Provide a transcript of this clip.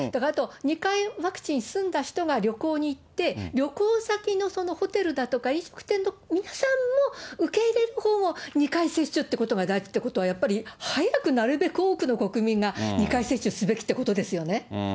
２回ワクチン済んだ人が旅行に行って、旅行先のホテルだとか飲食店の皆さんも、受け入れるほうも２回接種ということが大事ということは、やっぱり、早く、なるべく多くの国民が２回接種すべきってことですよね。